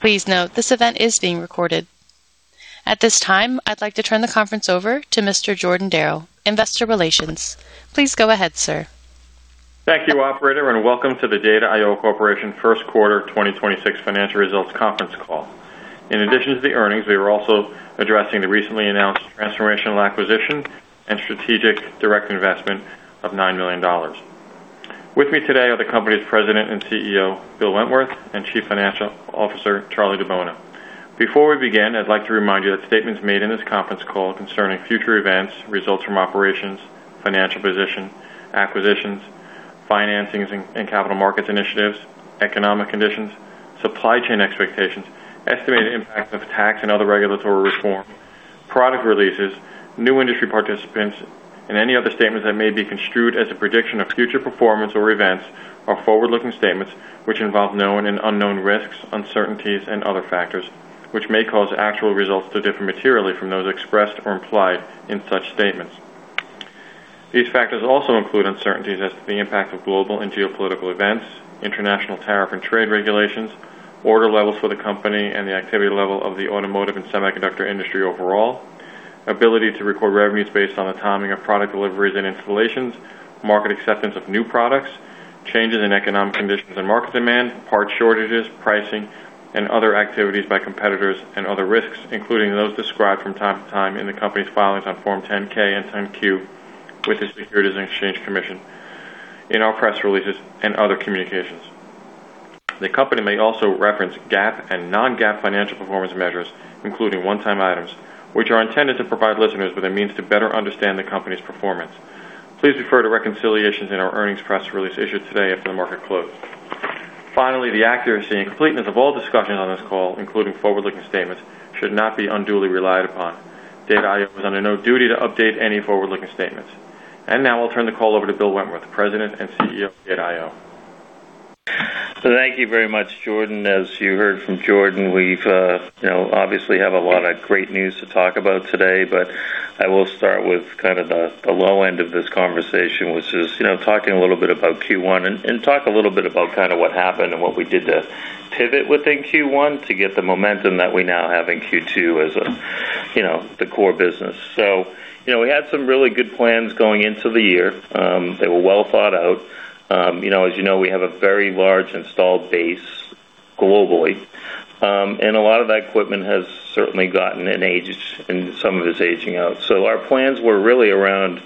Please note this event is being recorded. At this time, I'd like to turn the conference over to Mr. Jordan Darrow, Investor Relations. Please go ahead, sir. Thank you, operator, and welcome to the Data I/O Corporation First Quarter 2026 Financial Results Conference Call. In addition to the earnings, we are also addressing the recently announced transformational acquisition and strategic direct investment of $9 million. With me today are the company's President and CEO, Bill Wentworth, and Chief Financial Officer, Charlie DiBona. Before we begin, I'd like to remind you that statements made in this conference call concerning future events, results from operations, financial position, acquisitions, financings and capital markets initiatives, economic conditions, supply chain expectations, estimated impact of tax and other regulatory reform, product releases, new industry participants, and any other statements that may be construed as a prediction of future performance or events are forward-looking statements which involve known and unknown risks, uncertainties, and other factors, which may cause actual results to differ materially from those expressed or implied in such statements. These factors also include uncertainties as to the impact of global and geopolitical events, international tariff and trade regulations, order levels for the company and the activity level of the automotive and semiconductor industry overall, ability to record revenues based on the timing of product deliveries and installations, market acceptance of new products, changes in economic conditions and market demand, part shortages, pricing, and other activities by competitors and other risks, including those described from time to time in the company's filings on Form 10-K and 10-Q with the Securities and Exchange Commission, in our press releases and other communications. The company may also reference GAAP and non-GAAP financial performance measures, including one-time items, which are intended to provide listeners with a means to better understand the company's performance. Please refer to reconciliations in our earnings press release issued today after the market closed. Finally, the accuracy and completeness of all discussions on this call, including forward-looking statements, should not be unduly relied upon. Data I/O is under no duty to update any forward-looking statements. Now I'll turn the call over to Bill Wentworth, President and CEO of Data I/O. Thank you very much, Jordan. As you heard from Jordan, we've, you know, obviously have a lot of great news to talk about today, but I will start with kind of the low end of this conversation, which is, you know, talking a little bit about Q1 and talk a little bit about kind of what happened and what we did to pivot within Q1 to get the momentum that we now have in Q2 as a, you know, the core business. You know, we had some really good plans going into the year. They were well thought out. You know, as you know, we have a very large installed base globally, and a lot of that equipment has certainly gotten in age and some of it's aging out. Our plans were really around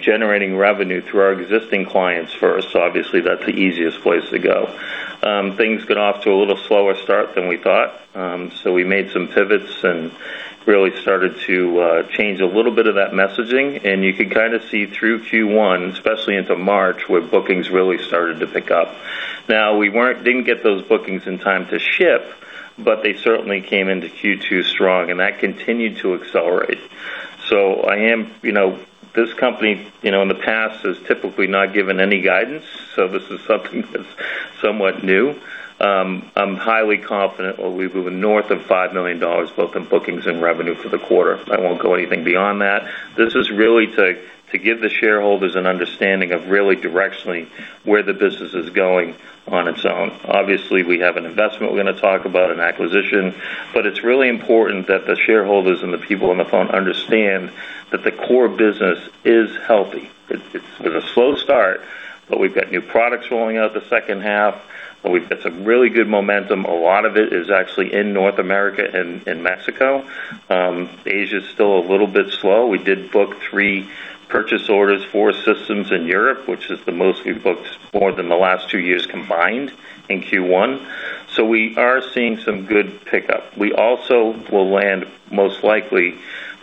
generating revenue through our existing clients first. Obviously, that's the easiest place to go. Things got off to a little slower start than we thought, so we made some pivots and really started to change a little bit of that messaging, and you can kind of see through Q1, especially into March, where bookings really started to pick up. Now we didn't get those bookings in time to ship, but they certainly came into Q2 strong, and that continued to accelerate. I am, you know, this company, you know, in the past has typically not given any guidance, so this is something that's somewhat new. I'm highly confident that we've moved north of $5 million both in bookings and revenue for the quarter. I won't go anything beyond that. This is really to give the shareholders an understanding of really directionally where the business is going on its own. Obviously, we have an investment we're gonna talk about, an acquisition, it's really important that the shareholders and the people on the phone understand that the core business is healthy. It's been a slow start, We've got new products rolling out the second half, We've got some really good momentum. A lot of it is actually in North America and Mexico. Asia is still a little bit slow. We did book three purchase orders for systems in Europe, which is the most we've booked more than the last two years combined in Q1. We are seeing some good pickup.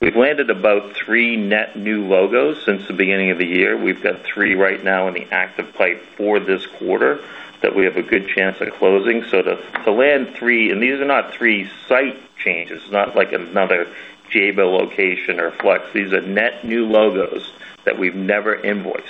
We've landed about three net new logos since the beginning of the year. We've got three right now in the active pipe for this quarter that we have a good chance at closing. To land three, and these are not three site changes. It's not like another Jabil location or Flex. These are net new logos that we've never invoiced.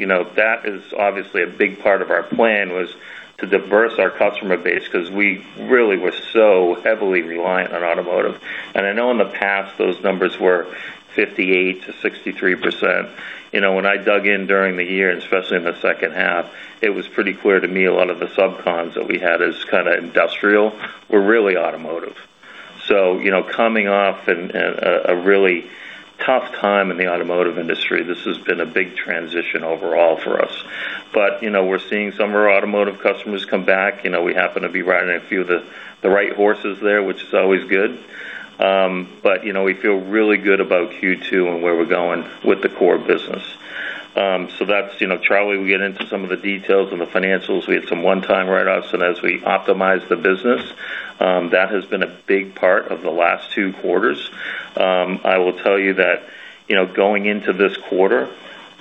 You know, that is obviously a big part of our plan was to diverse our customer base because we really were so heavily reliant on automotive. I know in the past those numbers were 58%-63%. You know, when I dug in during the year, and especially in the second half, it was pretty clear to me a lot of the subcons that we had as kinda industrial were really automotive. You know, coming off a really tough time in the automotive industry, this has been a big transition overall for us. You know, we're seeing some of our automotive customers come back. You know, we happen to be riding a few of the right horses there, which is always good. You know, we feel really good about Q2 and where we're going with the core business. That's, you know, Charlie will get into some of the details and the financials. We have some one-time write-offs, and as we optimize the business, that has been a big part of the last two quarters. I will tell you that, you know, going into this quarter,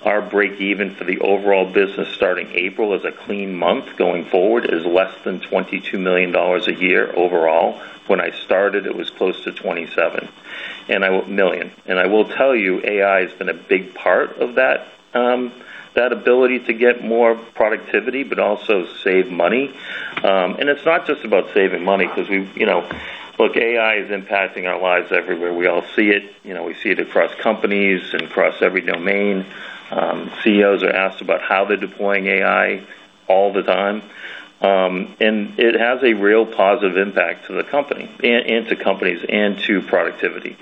our break even for the overall business starting April as a clean month going forward is less than $22 million a year overall. When I started, it was close to $27 million. I will tell you, AI has been a big part of that ability to get more productivity but also save money. It's not just about saving money because we, you know, AI is impacting our lives everywhere. We all see it. You know, we see it across companies and across every domain. CEOs are asked about how they're deploying AI all the time. It has a real positive impact to the company and to companies and to productivity.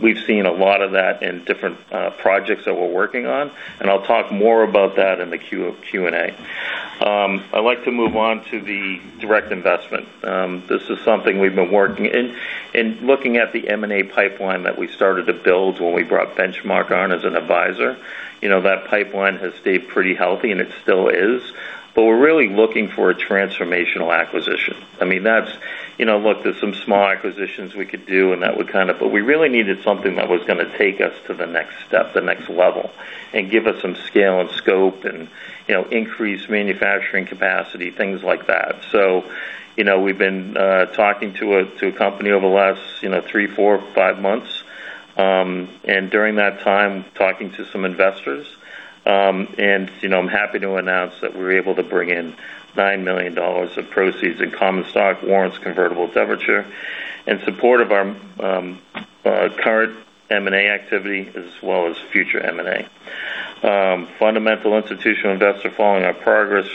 We've seen a lot of that in different projects that we're working on, and I'll talk more about that in the Q&A. I'd like to move on to the direct investment. This is something we've been In looking at the M&A pipeline that we started to build when we brought Benchmark on as an advisor, you know, that pipeline has stayed pretty healthy, and it still is. We're really looking for a transformational acquisition. I mean, that's You know, look, there's some small acquisitions we could do. We really needed something that was gonna take us to the next step, the next level, and give us some scale and scope and, you know, increase manufacturing capacity, things like that. You know, we've been talking to a company over the last, you know, three, four, five months, and during that time, talking to some investors. You know, I'm happy to announce that we were able to bring in $9 million of proceeds in common stock warrants convertible debenture in support of our current M&A activity as well as future M&A. Fundamental institutional investor following our progress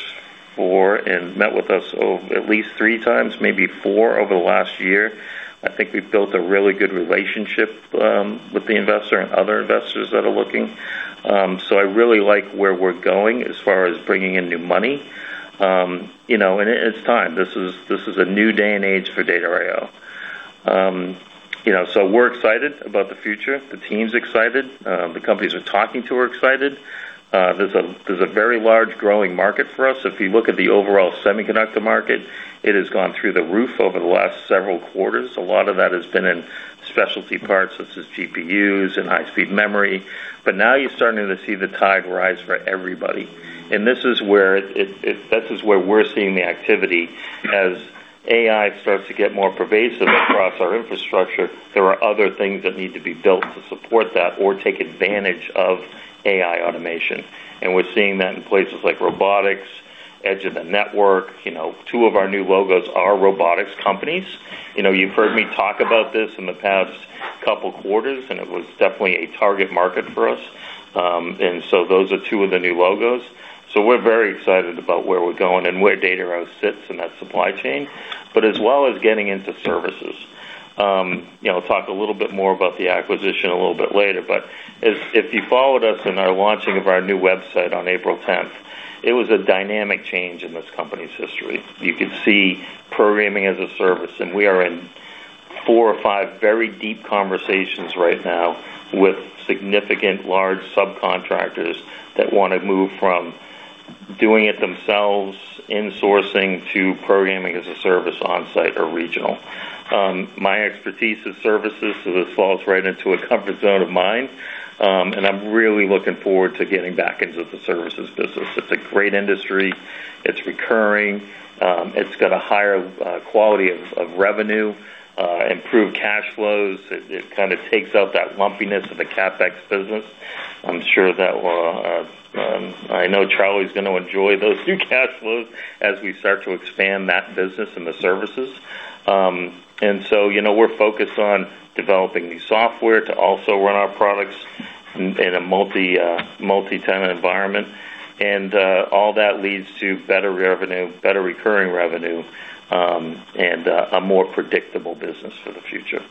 for and met with us over at least 3x, maybe 4x over the last year. I think we've built a really good relationship with the investor and other investors that are looking. I really like where we're going as far as bringing in new money. You know, it's time. This is a new day and age for Data I/O. We're excited about the future. The team's excited. The companies we're talking to are excited. There's a very large growing market for us. If you look at the overall semiconductor market, it has gone through the roof over the last several quarters. A lot of that has been in specialty parts such as GPUs and high-speed memory. Now you're starting to see the tide rise for everybody, and this is where we're seeing the activity. As AI starts to get more pervasive across our infrastructure, there are other things that need to be built to support that or take advantage of AI automation, and we're seeing that in places like robotics, edge of the network. You know, two of our new logos are robotics companies. You know, you've heard me talk about this in the past couple quarters, and it was definitely a target market for us. Those are two of the new logos. We're very excited about where we're going and where Data I/O sits in that supply chain, but as well as getting into services. You know, I'll talk a little bit more about the acquisition a little bit later. If, if you followed us in our launching of our new website on April 10th, it was a dynamic change in this company's history. You could see Programming as a Service, and we are in four or five very deep conversations right now with significant large subcontractors that wanna move from doing it themselves, insourcing to Programming as a Service on-site or regional. My expertise is services, so this falls right into a comfort zone of mine, and I'm really looking forward to getting back into the services business. It's a great industry. It's recurring. It's got a higher quality of revenue, improved cash flows. It kinda takes out that lumpiness of the CapEx business. I'm sure that we're I know Charlie's gonna enjoy those new cash flows as we start to expand that business and the services. You know, we're focused on developing new software to also run our products in a multi-tenant environment. All that leads to better revenue, better recurring revenue, a more predictable business for the future.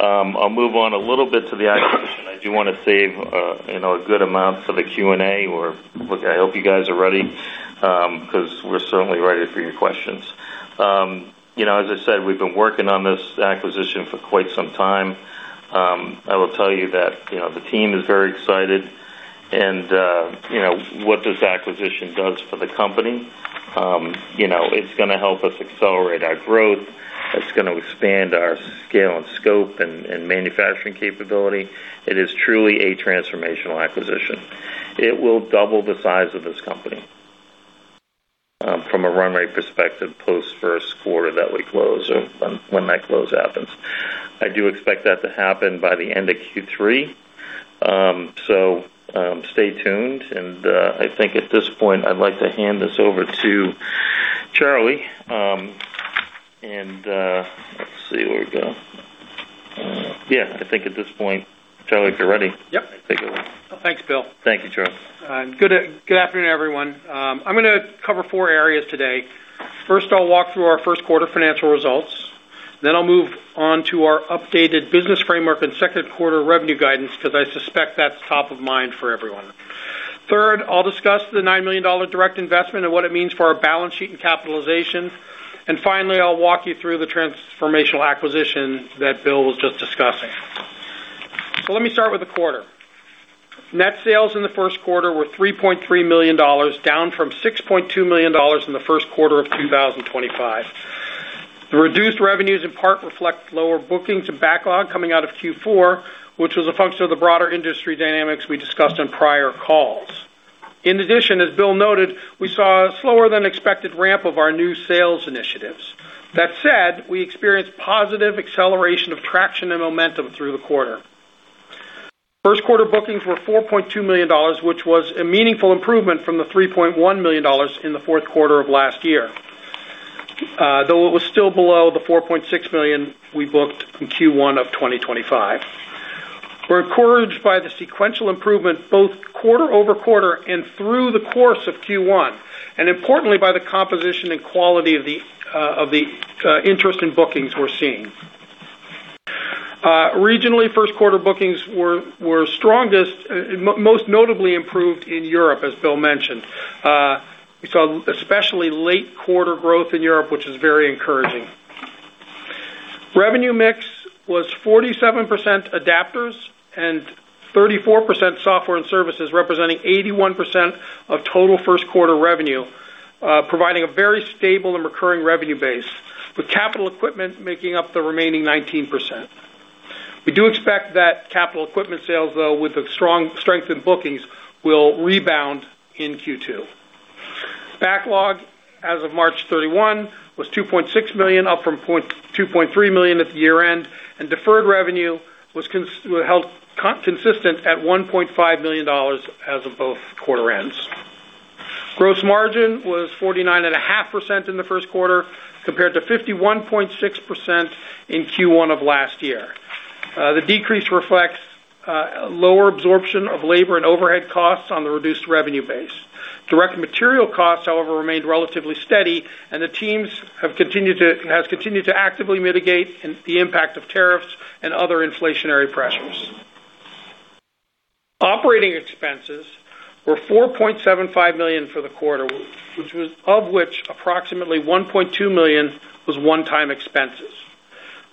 I'll move on a little bit to the acquisition. I do wanna save, you know, a good amount for the Q&A or Look, I hope you guys are ready, 'cause we're certainly ready for your questions. You know, as I said, we've been working on this acquisition for quite some time. I will tell you that, you know, the team is very excited and, you know, what this acquisition does for the company, you know, it's gonna help us accelerate our growth. It's gonna expand our scale and scope and manufacturing capability. It is truly a transformational acquisition. It will double the size of this company from a run rate perspective post first quarter that we close or when that close happens. I do expect that to happen by the end of Q3. Stay tuned. I think at this point I'd like to hand this over to Charlie. Let's see, where'd it go? Yeah, I think at this point, Charlie, if you're ready. Yep. Take it away. Thanks, Bill. Thank you, Charlie. Good, good afternoon, everyone. I'm gonna cover four areas today. First, I'll walk through our first quarter financial results. I'll move on to our updated business framework and second quarter revenue guidance because I suspect that's top of mind for everyone. Third, I'll discuss the $9 million direct investment and what it means for our balance sheet and capitalization. Finally, I'll walk you through the transformational acquisition that Bill was just discussing. Let me start with the quarter. Net sales in the first quarter were $3.3 million, down from $6.2 million in the first quarter of 2025. The reduced revenues in part reflect lower bookings and backlog coming out of Q4, which was a function of the broader industry dynamics we discussed on prior calls. In addition, as Bill noted, we saw a slower than expected ramp of our new sales initiatives. That said, we experienced positive acceleration of traction and momentum through the quarter. First quarter bookings were $4.2 million, which was a meaningful improvement from the $3.1 million in the fourth quarter of last year. Though it was still below the $4.6 million we booked in Q1 of 2025. We're encouraged by the sequential improvement both quarter-over-quarter and through the course of Q1, and importantly, by the composition and quality of the interest in bookings we're seeing. Regionally, first quarter bookings were strongest, most notably improved in Europe, as Bill mentioned. We saw especially late quarter growth in Europe, which is very encouraging. Revenue mix was 47% adapters and 34% software and services, representing 81% of total first quarter revenue, providing a very stable and recurring revenue base, with capital equipment making up the remaining 19%. We do expect that capital equipment sales, though, with a strong strength in bookings, will rebound in Q2. Backlog as of March 31 was $2.6 million, up from $2.3 million at the year-end, and deferred revenue was held consistent at $1.5 million as of both quarter ends. Gross margin was 49.5% in the first quarter, compared to 51.6% in Q1 of last year. The decrease reflects lower absorption of labor and overhead costs on the reduced revenue base. Direct material costs, however, remained relatively steady, and the teams have continued to actively mitigate the impact of tariffs and other inflationary pressures. Operating expenses were $4.75 million for the quarter, which was of which approximately $1.2 million was one-time expenses.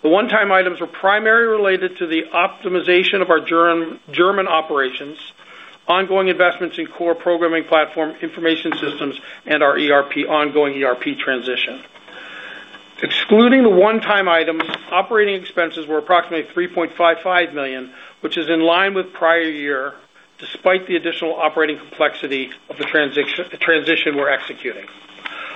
The one-time items were primarily related to the optimization of our German operations, ongoing investments in core programming platform information systems, and our ERP, ongoing ERP transition. Excluding the one-time items, operating expenses were approximately $3.55 million, which is in line with prior year despite the additional operating complexity of the transition we're executing.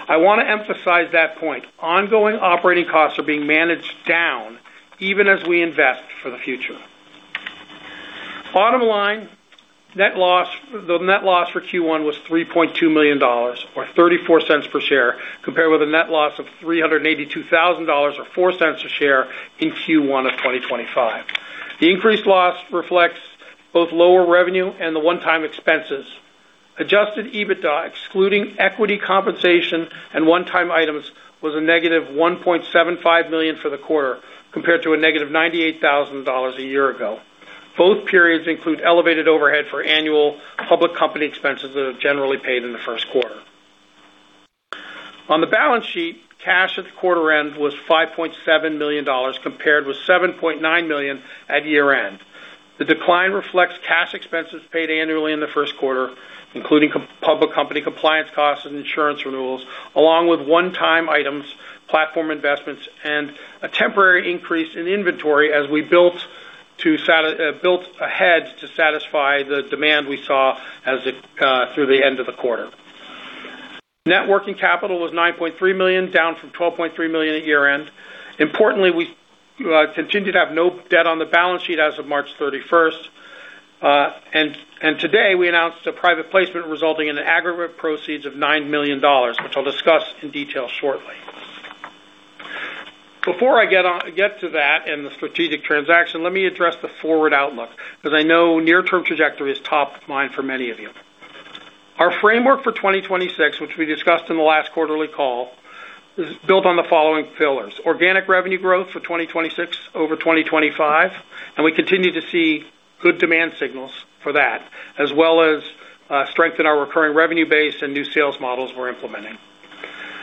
I wanna emphasize that point. Ongoing operating costs are being managed down even as we invest for the future. Bottom line, net loss, the net loss for Q1 was $3.2 million, or $0.34 per share, compared with a net loss of $382,000, or $0.04 a share in Q1 of 2025. The increased loss reflects both lower revenue and the one-time expenses. Adjusted EBITDA, excluding equity compensation and one-time items, was a negative $1.75 million for the quarter, compared to a negative $98,000 a year ago. Both periods include elevated overhead for annual public company expenses that are generally paid in the first quarter. On the balance sheet, cash at the quarter end was $5.7 million, compared with $7.9 million at year-end. The decline reflects cash expenses paid annually in the first quarter, including public company compliance costs and insurance renewals, along with one-time items, platform investments, and a temporary increase in inventory as we built ahead to satisfy the demand we saw as it through the end of the quarter. Net working capital was $9.3 million, down from $12.3 million at year-end. Importantly, we continue to have no debt on the balance sheet as of March 31st. Today, we announced a private placement resulting in aggregate proceeds of $9 million, which I'll discuss in detail shortly. Before I get to that and the strategic transaction, let me address the forward outlook, 'cause I know near-term trajectory is top of mind for many of you. Our framework for 2026, which we discussed in the last quarterly call, is built on the following pillars: organic revenue growth for 2026 over 2025, and we continue to see good demand signals for that, as well as strength in our recurring revenue base and new sales models we're implementing.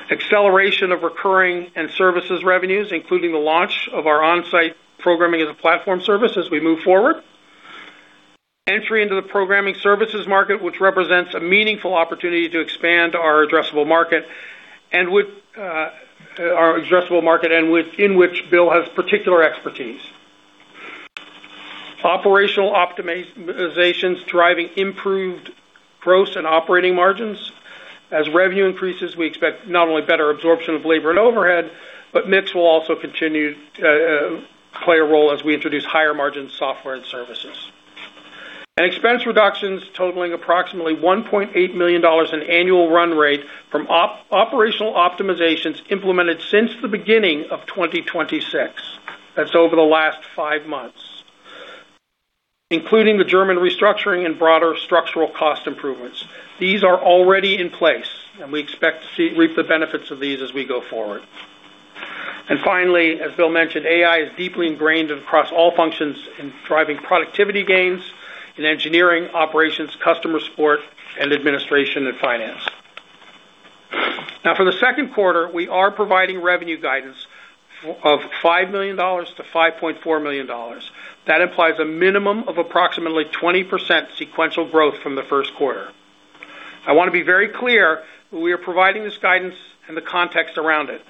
Acceleration of recurring and services revenues, including the launch of our on-site Programming as a Service as we move forward. Entry into the programming services market, which represents a meaningful opportunity to expand our addressable market, and with our addressable market and in which Bill has particular expertise. Operational optimization is driving improved gross and operating margins. As revenue increases, we expect not only better absorption of labor and overhead, but mix will also continue to play a role as we introduce higher margin software and services. Expense reductions totaling approximately $1.8 million in annual run rate from operational optimizations implemented since the beginning of 2026. That's over the last five months. Including the German restructuring and broader structural cost improvements. These are already in place, and we expect to reap the benefits of these as we go forward. Finally, as Bill mentioned, AI is deeply ingrained across all functions in driving productivity gains in engineering, operations, customer support, and administration and finance. For the second quarter, we are providing revenue guidance of $5 million-$5.4 million. That implies a minimum of approximately 20% sequential growth from the first quarter. I wanna be very clear, we are providing this guidance and the context around it.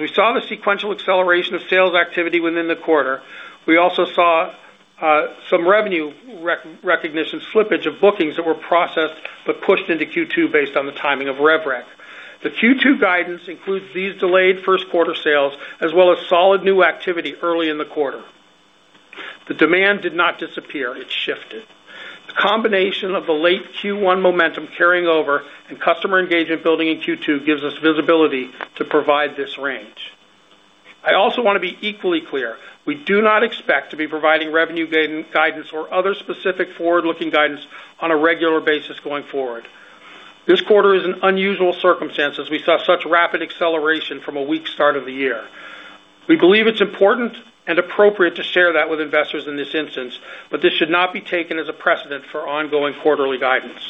We saw the sequential acceleration of sales activity within the quarter, we also saw some revenue recognition slippage of bookings that were processed but pushed into Q2 based on the timing of revenue. Q2 guidance includes these delayed first quarter sales, as well as solid new activity early in the quarter. Demand did not disappear, it shifted. Combination of the late Q1 momentum carrying over and customer engagement building in Q2 gives us visibility to provide this range. I also wanna be equally clear, we do not expect to be providing revenue guidance or other specific forward-looking guidance on a regular basis going forward. This quarter is an unusual circumstance as we saw such rapid acceleration from a weak start of the year. We believe it's important and appropriate to share that with investors in this instance, but this should not be taken as a precedent for ongoing quarterly guidance.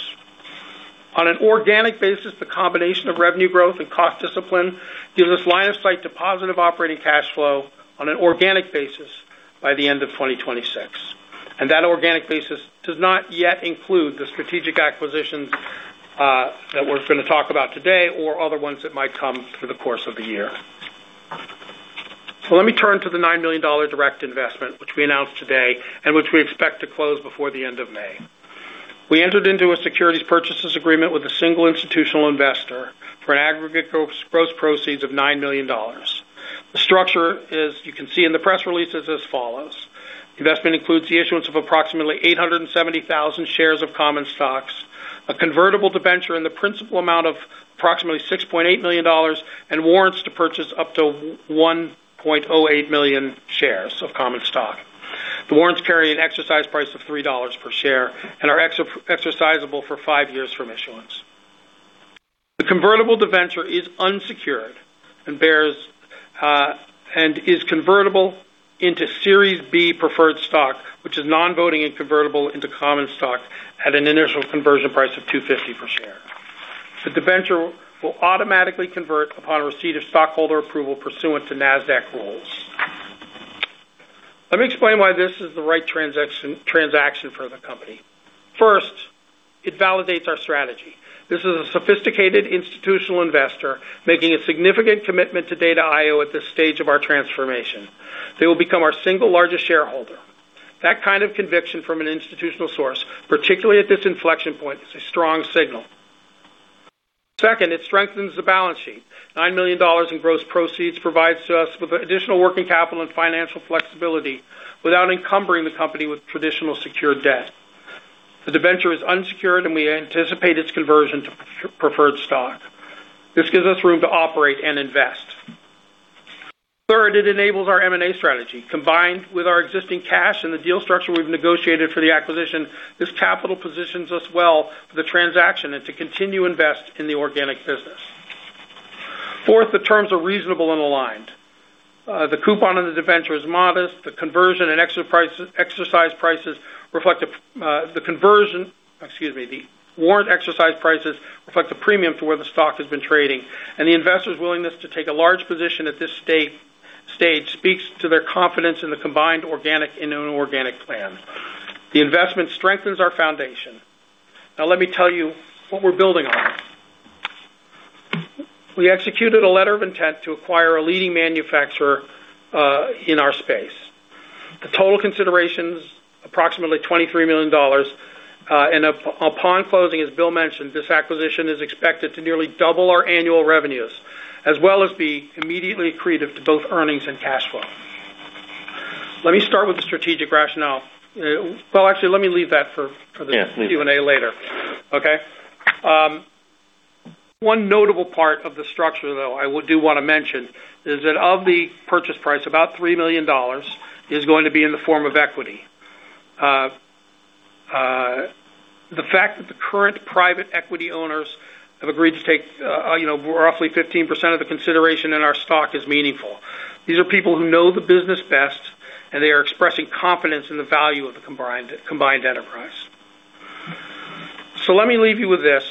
On an organic basis, the combination of revenue growth and cost discipline gives us line of sight to positive operating cash flow on an organic basis by the end of 2026, and that organic basis does not yet include the strategic acquisitions that we're gonna talk about today or other ones that might come through the course of the year. Let me turn to the $9 million direct investment, which we announced today, and which we expect to close before the end of May. We entered into a securities purchases agreement with a single institutional investor for an aggregate gross proceeds of $9 million. The structure is, you can see in the press release, is as follows: investment includes the issuance of approximately 870,000 shares of common stock, a convertible debenture in the principal amount of approximately $6.8 million, and warrants to purchase up to 1.08 million shares of common stock. The warrants carry an exercise price of $3 per share and are exercisable for five years from issuance. The convertible debenture is unsecured and bears and is convertible into Series B preferred stock, which is non-voting and convertible into common stock at an initial conversion price of $2.50 per share. The debenture will automatically convert upon receipt of stockholder approval pursuant to Nasdaq rules. Let me explain why this is the right transaction for the company. First, it validates our strategy. This is a sophisticated institutional investor making a significant commitment to Data I/O at this stage of our transformation. They will become our single largest shareholder. That kind of conviction from an institutional source, particularly at this inflection point, is a strong signal. Second, it strengthens the balance sheet. $9 million in gross proceeds provides us with additional working capital and financial flexibility without encumbering the company with traditional secured debt. The debenture is unsecured, and we anticipate its conversion to preferred stock. This gives us room to operate and invest. Third, it enables our M&A strategy. Combined with our existing cash and the deal structure we've negotiated for the acquisition, this capital positions us well for the transaction and to continue invest in the organic business. Fourth, the terms are reasonable and aligned. The coupon on the debenture is modest. The conversion and exercise prices reflect the conversion. Excuse me. The warrant exercise prices reflect the premium for where the stock has been trading, and the investor's willingness to take a large position at this stage speaks to their confidence in the combined organic and inorganic plan. The investment strengthens our foundation. Now let me tell you what we're building on. We executed a letter of intent to acquire a leading manufacturer in our space. The total consideration is approximately $23 million, and upon closing, as Bill mentioned, this acquisition is expected to nearly double our annual revenues as well as be immediately accretive to both earnings and cash flow. Let me start with the strategic rationale. Well, actually, let me leave that for the. Yes, please. Q&A later. Okay. One notable part of the structure, though, I do wanna mention, is that of the purchase price, about $3 million is going to be in the form of equity. The fact that the current private equity owners have agreed to take, you know, roughly 15% of the consideration in our stock is meaningful. These are people who know the business best, and they are expressing confidence in the value of the combined enterprise. Let me leave you with this.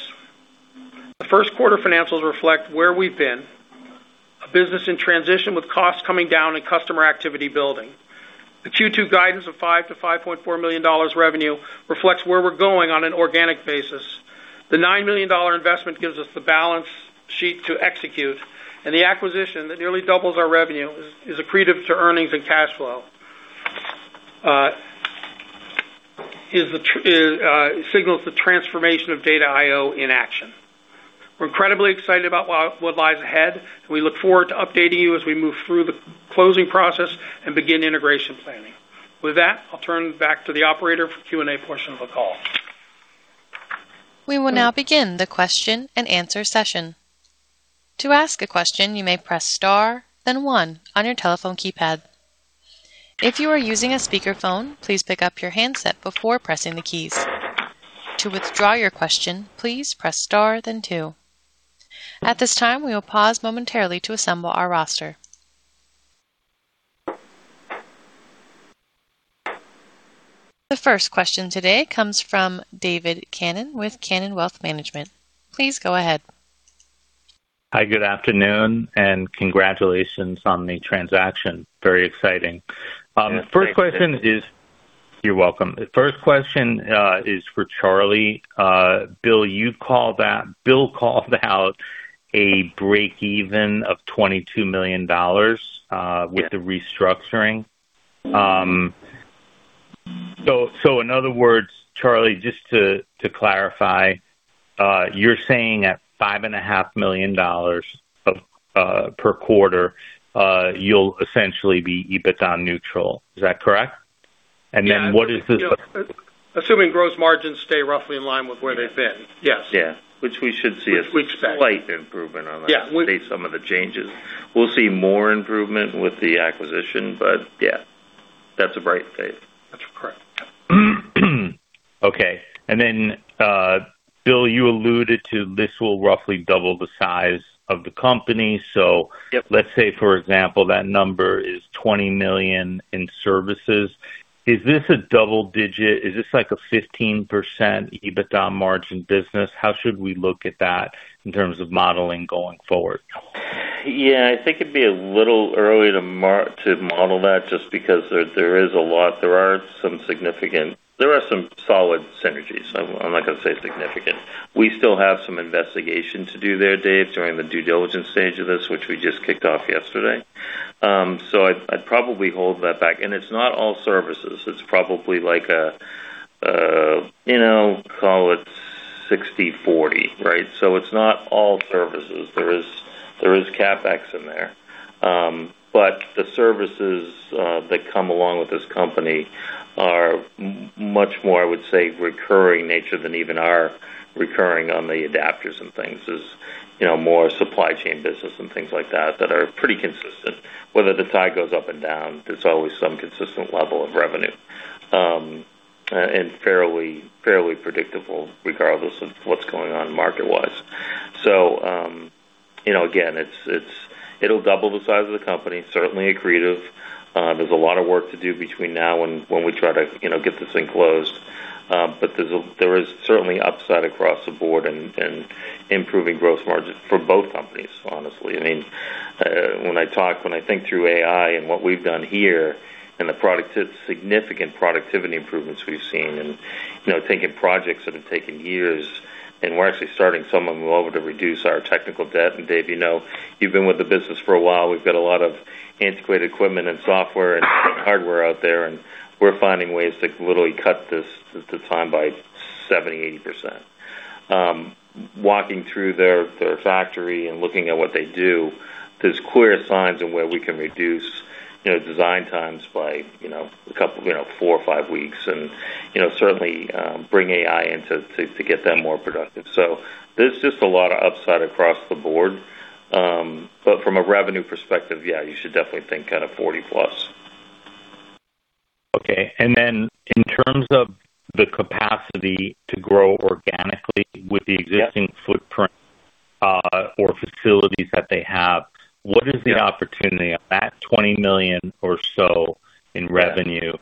The first quarter financials reflect where we've been, a business in transition with costs coming down and customer activity building. The Q2 guidance of $5 million-$5.4 million revenue reflects where we're going on an organic basis. The $9 million investment gives us the balance sheet to execute, and the acquisition that nearly doubles our revenue is accretive to earnings and cash flow. Signals the transformation of Data I/O in action. We're incredibly excited about what lies ahead, and we look forward to updating you as we move through the closing process and begin integration planning. With that, I'll turn it back to the operator for Q&A portion of the call. We will now begin the question-and-answer session. To ask a question, you may press star, then one on your telephone keypad. If you are using a speakerphone, please pick up your handset before pressing the keys. To withdraw your question, please press star then two. At this time, we will pause momentarily to assemble our roster. The first question today comes from David Cannon with Cannon Wealth Management. Please go ahead. Hi, good afternoon and congratulations on the transaction. Very exciting. Yeah, thank you. You're welcome. The first question is for Charlie. Bill called out a breakeven of $22 million. Yes. -with the restructuring. In other words, Charlie, just to clarify, you're saying at five and a half million dollars of, per quarter, you'll essentially be EBITDA neutral. Is that correct? Yeah. What is this? Assuming gross margins stay roughly in line with where they've been. Yes. Yeah. Which we should see a slight improvement on that. Yeah. -based some of the changes. We'll see more improvement with the acquisition. Yeah, that's a bright phase. That's correct. Okay. Bill, you alluded to this will roughly double the size of the company. Yep. let's say, for example, that number is $20 million in services. Is this a double digit? Is this like a 15% EBITDA margin business? How should we look at that in terms of modeling going forward? I think it'd be a little early to model that just because there is a lot. There are some solid synergies. I'm not gonna say significant. We still have some investigation to do there, Dave, during the due diligence stage of this, which we just kicked off yesterday. I'd probably hold that back. It's not all services. It's probably like a, you know, call it 60/40, right? It's not all services. There is CapEx in there. The services that come along with this company are much more, I would say, recurring nature than even our recurring on the adapters and things. There's, you know, more supply chain business and things like that that are pretty consistent. Whether the tide goes up and down, there's always some consistent level of revenue, and fairly predictable regardless of what's going on market-wise. You know, again, it'll double the size of the company, certainly accretive. There's a lot of work to do between now and when we try to, you know, get this thing closed. There is certainly upside across the board and improving growth margin for both companies, honestly. I mean, when I think through AI and what we've done here and significant productivity improvements we've seen and, you know, taking projects that have taken years, and we're actually starting some of them over to reduce our technical debt. Dave, you know, you've been with the business for a while. We've got a lot of antiquated equipment and software and hardware out there, and we're finding ways to literally cut this, the time by 70%-80%. Walking through their factory and looking at what they do, there's clear signs on where we can reduce, you know, design times by, you know, a couple, you know, four or five weeks and, you know, certainly, bring AI in to get them more productive. There's just a lot of upside across the board. From a revenue perspective, yeah, you should definitely think kind of 40+. Okay. In terms of the capacity to grow organically with the existing footprint, or facilities that they have, what is the opportunity of that $20 million or so in revenue?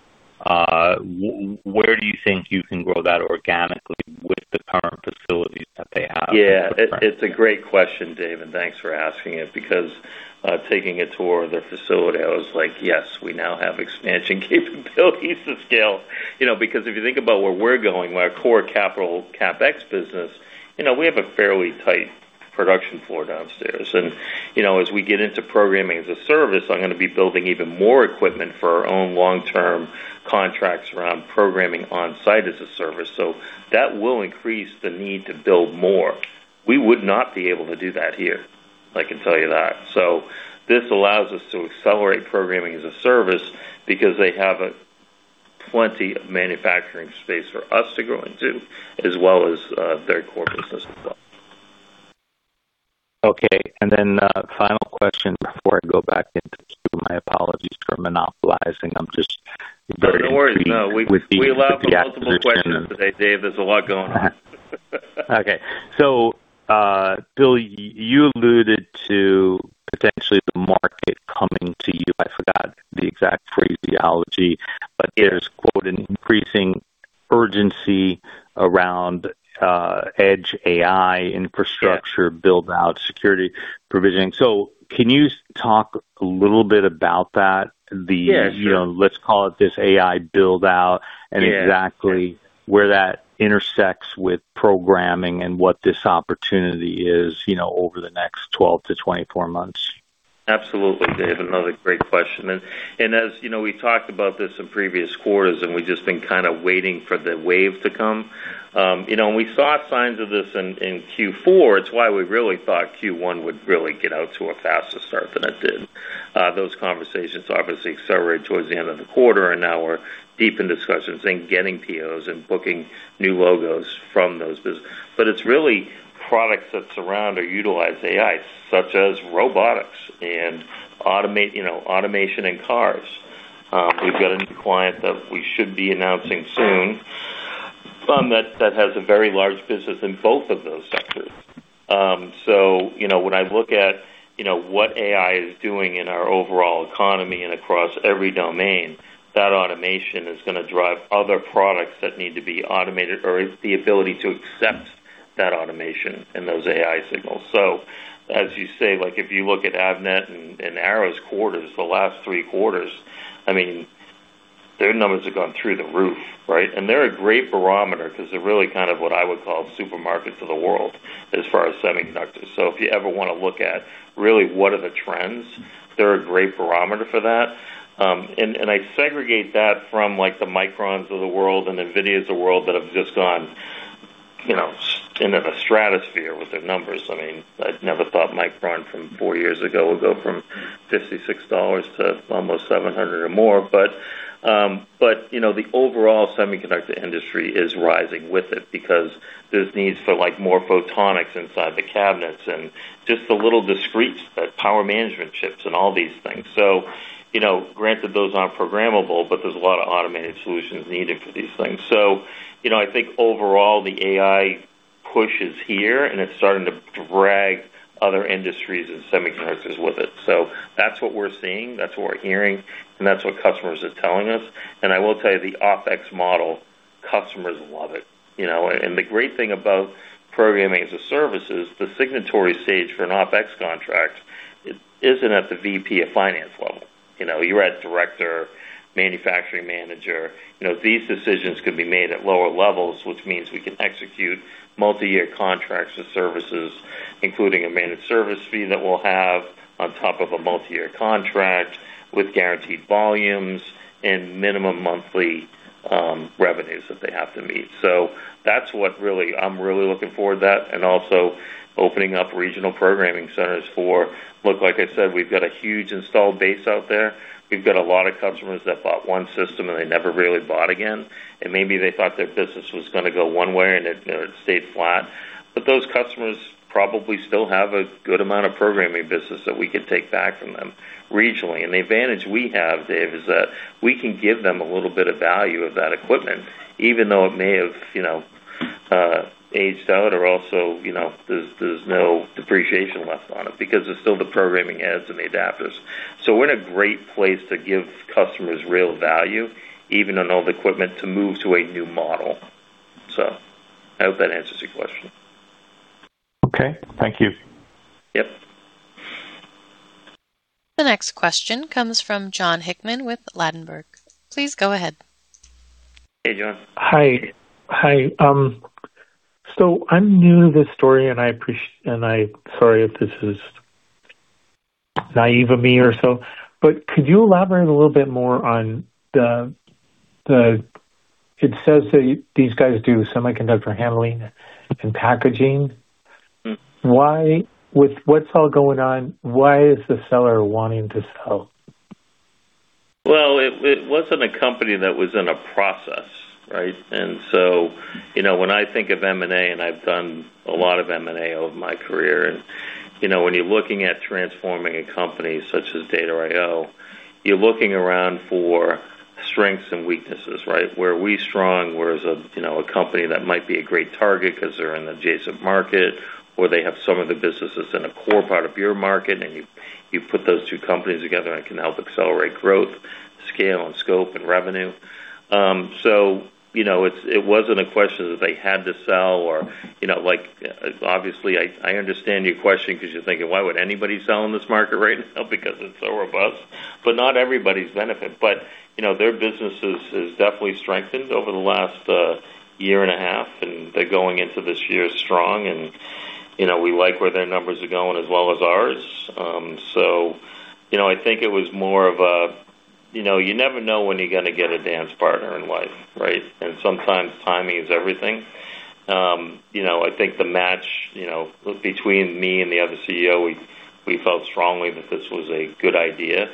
Where do you think you can grow that organically with the current facilities that they have? Yeah. It's a great question, David Cannon, thanks for asking it because, taking a tour of their facility, I was like, "Yes, we now have expansion capabilities and scale." You know, because if you think about where we're going, our core capital CapEx business, you know, we have a fairly tight production floor downstairs. You know, as we get into Programming as a Service, I'm gonna be building even more equipment for our own long-term contracts around Programming on-site as a Service. That will increase the need to build more. We would not be able to do that here, I can tell you that. This allows us to accelerate Programming as a Service because they have plenty of manufacturing space for us to grow into, as well as their core business as well. Okay. Final question before I go back into queue. My apologies for monopolizing. No, no worries. No. with the acquisition. We allow for multiple questions today, Dave. There's a lot going on. Okay. Bill, you alluded to potentially the market coming to you. I forgot the exact phraseology, but there's, quote, "An increasing urgency around, edge AI infrastructure build-out security provisioning." Can you talk a little bit about that? Yeah, sure. You know, let's call it this AI build-out. Yeah. Exactly where that intersects with programming and what this opportunity is, you know, over the next 12 to 24 months. Absolutely, Dave. Another great question. As you know, we talked about this in previous quarters, and we've just been kind of waiting for the wave to come. You know, we saw signs of this in Q4. It's why we really thought Q1 would really get out to a faster start than it did. Those conversations obviously accelerated towards the end of the quarter, and now we're deep in discussions in getting POs and booking new logos from those businesses. It's really products that surround or utilize AI, such as robotics and automation and cars. We've got a new client that we should be announcing soon, that has a very large business in both of those sectors. When I look at, you know, what AI is doing in our overall economy and across every domain, that automation is going to drive other products that need to be automated or it's the ability to accept that automation and those AI signals. As you say, like, if you look at Avnet and Arrow's quarters, the last three quarters, I mean, their numbers have gone through the roof, right? They're a great barometer 'cause they're really kind of what I would call supermarkets of the world as far as semiconductors. If you ever wanna look at really what are the trends, they're a great barometer for that. And I segregate that from like the Microns of the world and NVIDIAs of world that have just gone, you know, in the stratosphere with their numbers. I mean, I never thought Micron from four years ago would go from $56 to almost $700 or more. You know, the overall semiconductor industry is rising with it because there's needs for, like, more photonics inside the cabinets and just the little discrete power management chips and all these things. You know, granted, those aren't programmable, there's a lot of automated solutions needed for these things. You know, I think overall, the AI push is here, and it's starting to drag other industries and semiconductors with it. That's what we're seeing, that's what we're hearing, and that's what customers are telling us. I will tell you, the OpEx model, customers love it, you know. The great thing about Programming as a Service is the signatory stage for an OpEx contract isn't at the VP of Finance level. You know, you're at director, manufacturing manager. You know, these decisions could be made at lower levels, which means we can execute multi-year contracts and services, including a managed service fee that we'll have on top of a multi-year contract with guaranteed volumes and minimum monthly revenues that they have to meet. I'm really looking forward to that and also opening up regional programming centers for Look, like I said, we've got a huge installed base out there. We've got a lot of customers that bought one system, and they never really bought again. Maybe they thought their business was going to go one way, and it, you know, it stayed flat. Those customers probably still have a good amount of programming business that we could take back from them regionally. The advantage we have, Dave, is that we can give them a little bit of value of that equipment, even though it may have, you know, aged out or also, you know, there's no depreciation left on it because there's still the programming heads and the adapters. We're in a great place to give customers real value, even on old equipment, to move to a new model. I hope that answers your question. Okay. Thank you. Yep. The next question comes from Jon Hickman with Ladenburg. Please go ahead. Hey, Jon. Hi. Hi. I'm new to this story, and I'm sorry if this is naive of me or so, but could you elaborate a little bit more on the, it says that these guys do semiconductor handling and packaging. With what's all going on, why is the seller wanting to sell? Well, it wasn't a company that was in a process, right? You know, when I think of M&A, I've done a lot of M&A over my career, you know, when you're looking at transforming a company such as Data I/O, you're looking around for strengths and weaknesses, right? Where are we strong? Where is a company that might be a great target because they're an adjacent market, or they have some of the businesses in a core part of your market, and you put those two companies together and can help accelerate growth, scale, and scope, and revenue. You know, it wasn't a question that they had to sell or, you know. Like, obviously, I understand your question because you're thinking, "Why would anybody sell in this market right now?" Because it's so robust. Not everybody's benefit. You know, their business is definitely strengthened over the last year and a half, and they're going into this year strong. You know, we like where their numbers are going as well as ours. You know, I think it was more of a, you know, you never know when you're gonna get a dance partner in life, right? Sometimes timing is everything. You know, I think the match, you know, between me and the other CEO, we felt strongly that this was a good idea.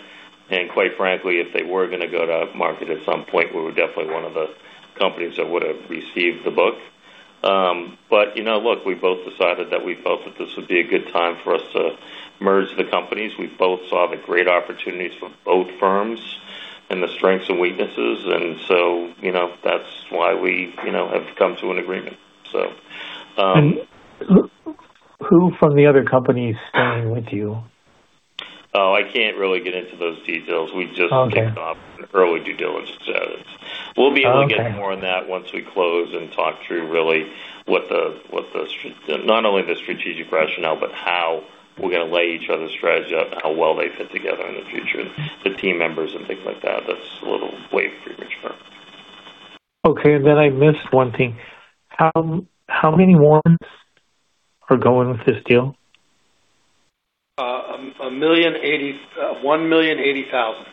Quite frankly, if they were gonna go to market at some point, we were definitely one of the companies that would have received the book. You know, look, we both decided that we felt that this would be a good time for us to merge the companies. We both saw the great opportunities for both firms and the strengths and weaknesses, and so, you know, that's why we, you know, have come to an agreement, so. Who from the other company is staying with you? Oh, I can't really get into those details. Okay. Kicked off an early due diligence status. We'll be able to. Okay. get more on that once we close and talk through really not only the strategic rationale, but how we're gonna lay each other's strategy out and how well they fit together in the future, the team members and things like that. That's a little way premature. Okay. I missed one thing. How many warrants are going with this deal? Uh, a million eighty-- uh, one million eighty thousand.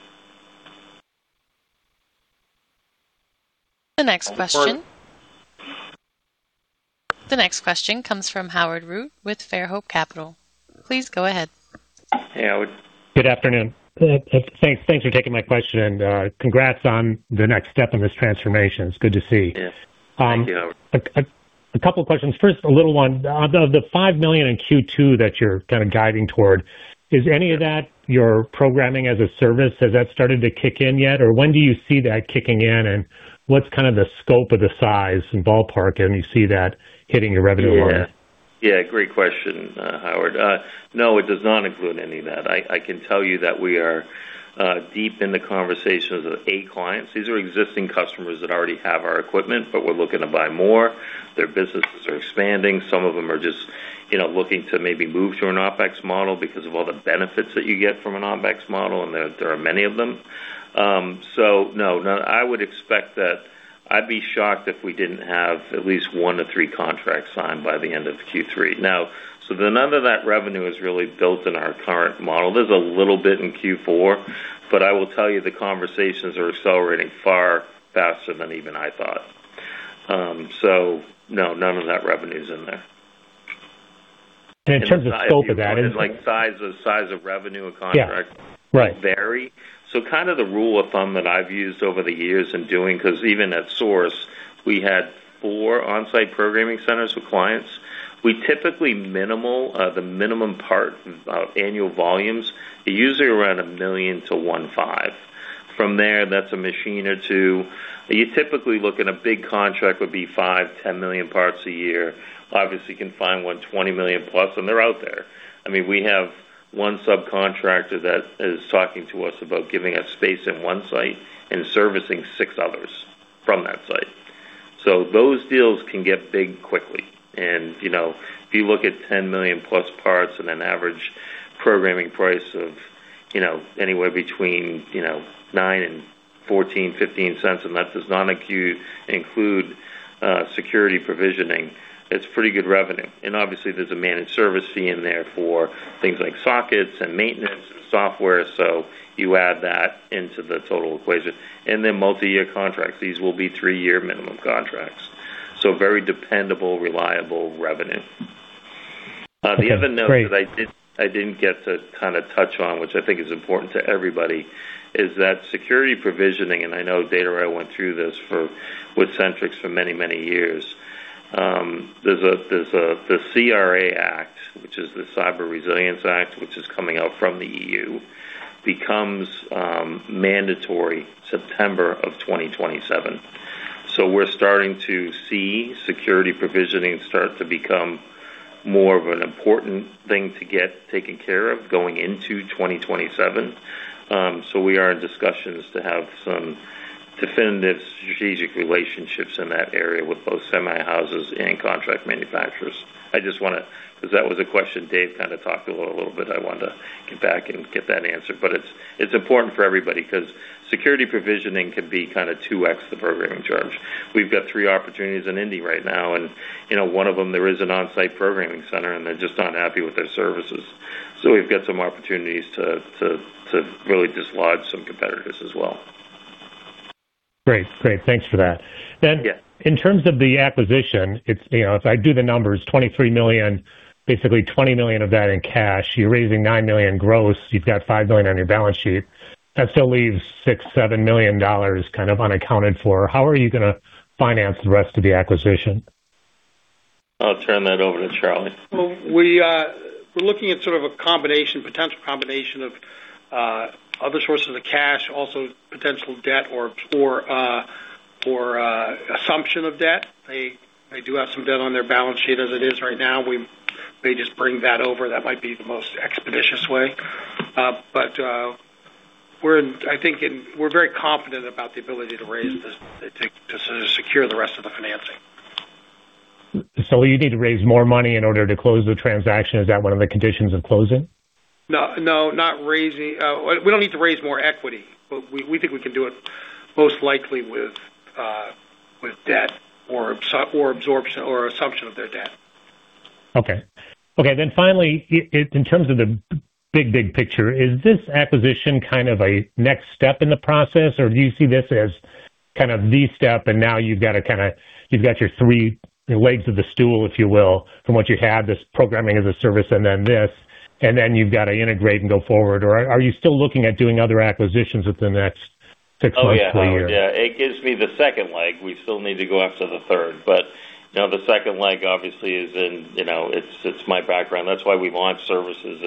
The next question. I'm sorry. The next question comes from Howard Root with Fairhope Capital. Please go ahead. Hey, Howard. Good afternoon. Thanks for taking my question, and congrats on the next step in this transformation. It's good to see. Yes. Thank you, Howard. A couple questions. First, a little one. On the $5 million in Q2 that you're kind of guiding toward, is any of that your Programming as a Service? Has that started to kick in yet? When do you see that kicking in, and what's kind of the scope of the size and ballpark, and you see that hitting your revenue line? Yeah. Yeah, great question, Howard. No, it does not include any of that. I can tell you that we are deep in the conversations with 8 clients. These are existing customers that already have our equipment, but were looking to buy more. Their businesses are expanding. Some of them are just, you know, looking to maybe move to an OpEx model because of all the benefits that you get from an OpEx model, and there are many of them. No. No, I would expect that I'd be shocked if we didn't have at least one to three contracts signed by the end of Q3. None of that revenue is really built in our current model. There's a little bit in Q4. I will tell you, the conversations are accelerating far faster than even I thought. No, none of that revenue is in there. In terms of scope of that. Like size of revenue or contract- Yeah. Right vary. Kind of the rule of thumb that I've used over the years in doing, 'cause even at Source, we had four on-site programming centers with clients. We typically minimal, the minimum part of annual volumes are usually around 1 million to 1.5 million. From there, that's a machine or two. You typically look at a big contract would be 5 million-10 million parts a year. Obviously, you can find one 20 million plus, and they're out there. I mean, we have one subcontractor that is talking to us about giving us space in one site and servicing six others from that site. Those deals can get big quickly. You know, if you look at 10 million-plus parts and an average programming price of, you know, anywhere between, you know, $0.09 and $0.14, $0.15, and that does not include Security Provisioning, it's pretty good revenue. Obviously there's a managed service fee in there for things like sockets and maintenance and software, so you add that into the total equation. Multi-year contracts, these will be 3-year minimum contracts, so very dependable, reliable revenue. The other note that I didn't get to kind of touch on, which I think is important to everybody, is that Security Provisioning, and I know Data I/O went through this for, with SentriX for many, many years. There's a, there's a, the CRA Act, which is the Cyber Resilience Act, which is coming out from the EU, becomes mandatory September of 2027. We're starting to see Security Provisioning start to become more of an important thing to get taken care of going into 2027. We are in discussions to have some definitive strategic relationships in that area with both semi houses and contract manufacturers. I just want to 'Cause that was a question Dave kinda talked about a little bit. I wanted to get back and get that answered. It's important for everybody 'cause Security Provisioning can be kind of 2x the programming charge. We've got three opportunities in Indy right now and, you know, one of them there is an on-site programming center, and they're just not happy with their services. We've got some opportunities to really dislodge some competitors as well. Great. Great. Thanks for that. Yeah in terms of the acquisition, it's, you know, if I do the numbers, $23 million, basically $20 million of that in cash. You're raising $9 million gross. You've got $5 million on your balance sheet. That still leaves $6 million-$7 million kind of unaccounted for. How are you gonna finance the rest of the acquisition? I'll turn that over to Charlie. Well, we're looking at sort of a combination, potential combination of other sources of cash, also potential debt or assumption of debt. They do have some debt on their balance sheet as it is right now. We may just bring that over. That might be the most expeditious way. We're very confident about the ability to raise this, to secure the rest of the financing. You need to raise more money in order to close the transaction? Is that one of the conditions of closing? No, no, not raising. We don't need to raise more equity. We think we can do it most likely with debt or absorption or assumption of their debt. Okay. Okay, finally, in terms of the big, big picture, is this acquisition kind of a next step in the process, or do you see this as kind of the step, and now you've got to kinda, you've got your three legs of the stool, if you will, from what you had, this Programming as a Service and then this, and then you've got to integrate and go forward. Are you still looking at doing other acquisitions within the next six months to a year? Oh, yeah. Oh, yeah. It gives me the second leg. We still need to go after the third. You know, the second leg obviously is in, you know, it's my background. That's why we launched services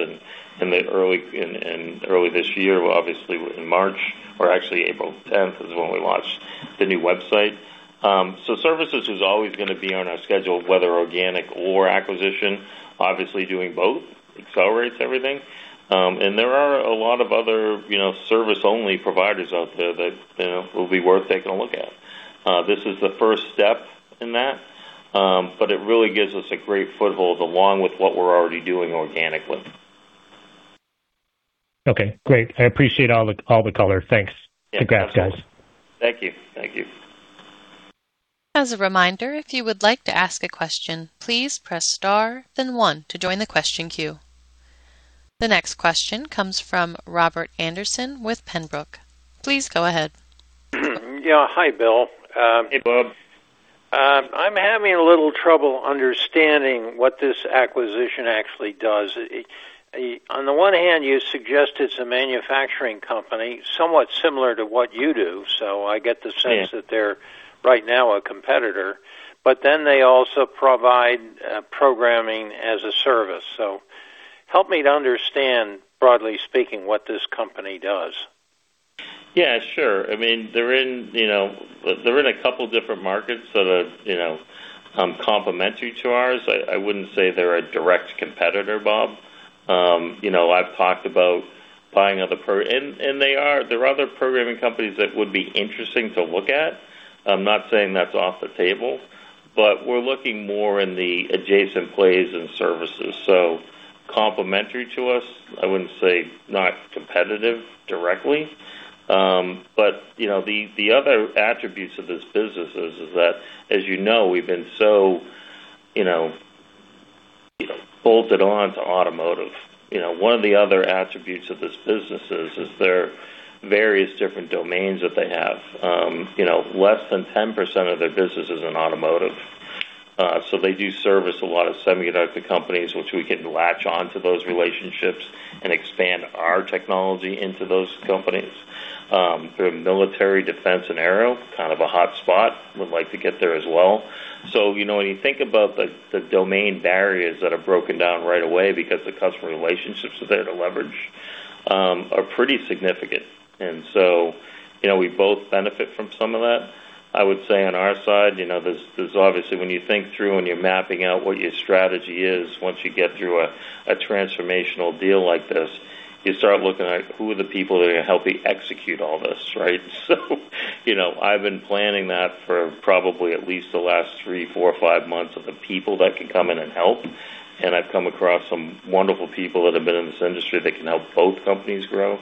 in the early, in early this year. Well, obviously in March or actually April 10th is when we launched the new website. Services is always gonna be on our schedule, whether organic or acquisition. Obviously, doing both accelerates everything. There are a lot of other, you know, service-only providers out there that, you know, will be worth taking a look at. This is the first step in that, it really gives us a great foothold along with what we're already doing organically. Okay, great. I appreciate all the color. Thanks. Yeah. Congrats, guys. Thank you. Thank you. As a reminder, if you would like to ask a question, please press star then one to join the question queue. The next question comes from Robert Anderson with Penbrook. Please go ahead. Yeah. Hi, Bill. Hey, Robert. I'm having a little trouble understanding what this acquisition actually does. On the one hand, you suggest it's a manufacturing company somewhat similar to what you do, so I get the sense. Yeah They're right now a competitor, they also provide programming as a service. Help me to understand, broadly speaking, what this company does. Yeah, sure. I mean, they're in, you know, they're in a couple different markets that are, you know, complementary to ours. I wouldn't say they're a direct competitor, Bob. You know, I've talked about buying other programming companies that would be interesting to look at. I'm not saying that's off the table, but we're looking more in the adjacent plays and services. Complementary to us, I wouldn't say not competitive directly. You know, the other attributes of this business is that, as you know, we've been so, you know, bolted on to automotive. You know, one of the other attributes of this business is there are various different domains that they have. You know, less than 10% of their business is in automotive. They do service a lot of semiconductor companies, which we can latch onto those relationships and expand our technology into those companies. Military defense and aero, kind of a hot spot. Would like to get there as well. You know, when you think about the domain barriers that are broken down right away because the customer relationships are there to leverage, are pretty significant. You know, we both benefit from some of that. I would say on our side, you know, there's obviously when you think through when you're mapping out what your strategy is, once you get through a transformational deal like this, you start looking at who are the people that are gonna help you execute all this, right? You know, I've been planning that for probably at least the last three, four or five months of the people that can come in and help, and I've come across some wonderful people that have been in this industry that can help both companies grow.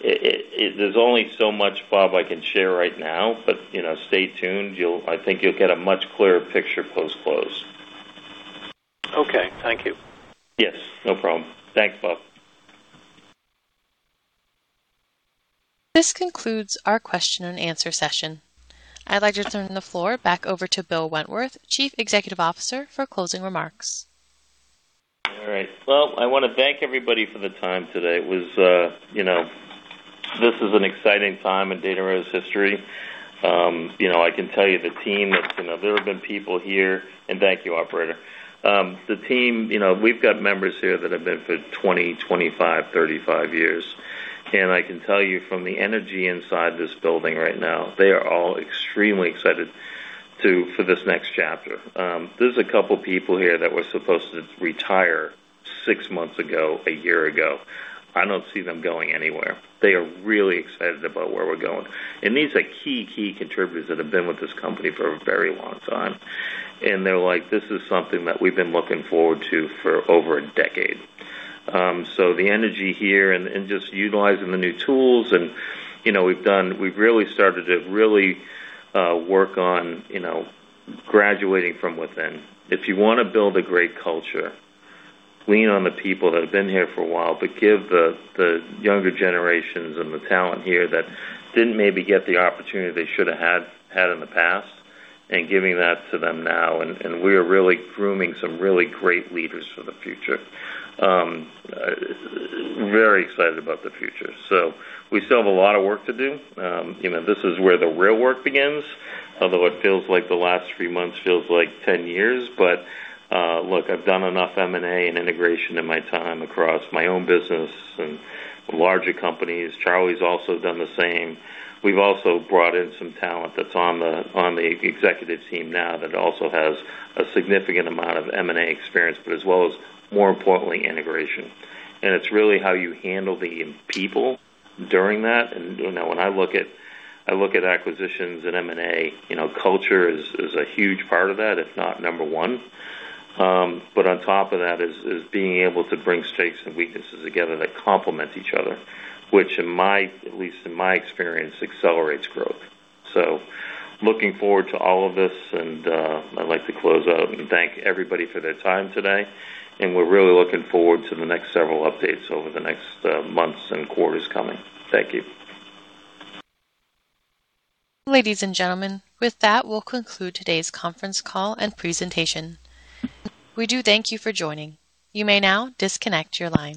There's only so much, Robert, I can share right now, but, you know, stay tuned. I think you'll get a much clearer picture post-close. Okay. Thank you. Yes, no problem. Thanks, Robert. This concludes our question and answer session. I'd like to turn the floor back over to Bill Wentworth, Chief Executive Officer, for closing remarks. All right. Well, I wanna thank everybody for the time today. It was, you know, this is an exciting time in Data I/O's history. You know, I can tell you, and thank you, operator. The team, you know, we've got members here that have been for 20, 25, 35 years. I can tell you from the energy inside this building right now, they are all extremely excited for this next chapter. There's a couple people here that were supposed to retire six months ago, one year ago. I don't see them going anywhere. They are really excited about where we're going. These are key contributors that have been with this company for a very long time. They're like, "This is something that we've been looking forward to for over a decade." The energy here and just utilizing the new tools and, you know, we've really started to really work on, you know, graduating from within. If you wanna build a great culture, lean on the people that have been here for a while, but give the younger generations and the talent here that didn't maybe get the opportunity they should have had in the past, and giving that to them now. We are really grooming some really great leaders for the future. Very excited about the future. We still have a lot of work to do. You know, this is where the real work begins. Although it feels like the last three months feels like 10 years. Look, I've done enough M&A and integration in my time across my own business and larger companies. Charlie's also done the same. We've also brought in some talent that's on the executive team now that also has a significant amount of M&A experience, but as well as, more importantly, integration. It's really how you handle the people during that. You know, when I look at acquisitions and M&A, you know, culture is a huge part of that, if not number one. On top of that is being able to bring strengths and weaknesses together that complement each other, which in my at least in my experience, accelerates growth. Looking forward to all of this, and, I'd like to close out and thank everybody for their time today, and we're really looking forward to the next several updates over the next months and quarters coming. Thank you. Ladies and gentlemen, with that, we'll conclude today's conference call and presentation. We do thank you for joining. You may now disconnect your line.